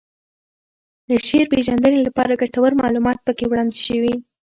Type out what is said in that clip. د شعر پېژندنې لپاره ګټور معلومات پکې وړاندې شوي